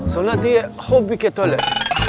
seolah dia hobi ke toilet